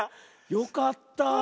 よかった。